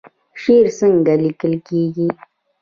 شعر څنګه لیکل کیږي؟